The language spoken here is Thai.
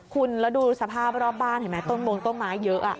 คุณแล้วดูสภาพรอบบ้านเห็นไหมต้นมงต้นไม้เยอะ